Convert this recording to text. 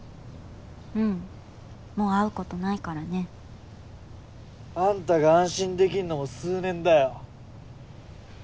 うんもう会うことないからね。あんたが安心できんのも数年だよ。